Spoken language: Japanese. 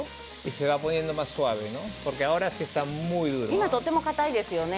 今とてもかたいですよね。